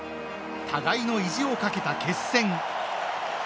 互いの意地をかけた決戦。